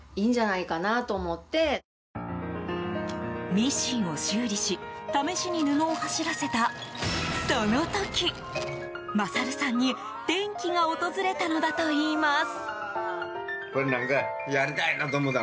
ミシンを修理し試しに布を走らせた、その時勝さんに転機が訪れたのだといいます。